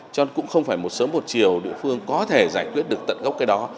cho cũng không phải một sớm một chiều địa phương có thể giải quyết được tận gốc cái đó